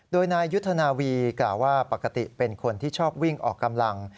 โดยนายยุทธนาวีกล่าวว่าปกติเป็นคนที่ชอบวิ่งออกกำลัง